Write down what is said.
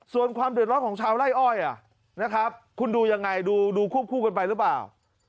ส่วนความเดือดร้อนของชาวไล่อ้อยนะครับคุณดูยังไงดูควบคู่กันไปหรือเปล่า